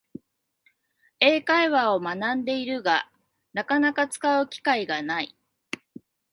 英会話を学んでいるが、なかなか使う機会がない